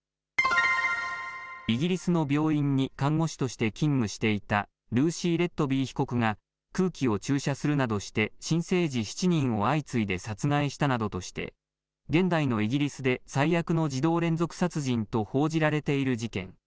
イギリスの病院に看護師として勤務していたルーシー・レットビー被告が、空気を注射するなどして新生児７人を相次いで殺害したなどとして、現代のイギリスで最悪の児童連続殺人と報じられている事件。